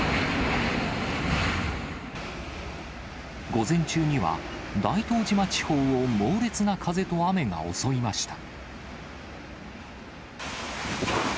午前中には、大東島地方を猛烈な風と雨が襲いました。